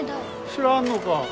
知らんのか？